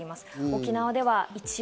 沖縄では一番